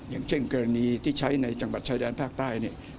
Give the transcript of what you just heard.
อย่างเช่นกรณีที่ใช้ในจังหวัดชายแดนภาคใต้เนี่ย